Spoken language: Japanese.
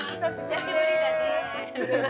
久しぶりだね。